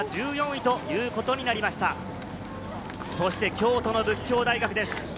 京都の佛教大学です。